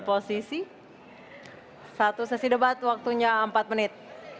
posisi satu sesi debat waktunya empat menit